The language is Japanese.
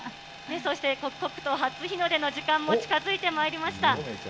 そして刻々と初日の出の時間も近づいてまいりました。